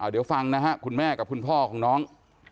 เดี๋ยวฟังนะฮะคุณแม่กับคุณพ่อของน้อง